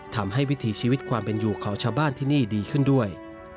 ทำให้วิถีชีวิตความเป็นอยู่ของชาวบ้านที่นี่ดีขึ้นด้วย